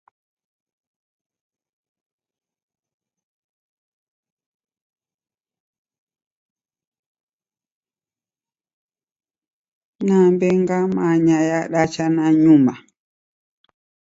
"Nambe ngamanya" yadacha nanyuma.